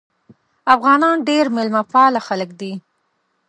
افغانان ډیر میلمه پاله خلک دي.